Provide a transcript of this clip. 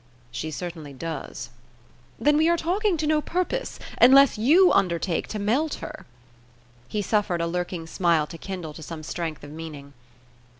"She certainly does." "Then we are talking to no purpose, unless you undertake to melt her." He suffered a lurking smile to kindle to some strength of meaning.